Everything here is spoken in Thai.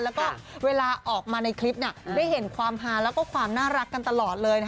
แล้วก็เวลาออกมาในคลิปได้เห็นความฮาแล้วก็ความน่ารักกันตลอดเลย